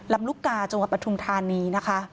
ลำลุกกาจังหวัดประถูมิธานี